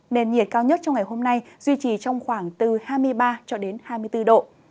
nên nhiệt cao nhất trong ngày hôm nay duy trì trong khoảng từ hai mươi ba hai mươi bốn độ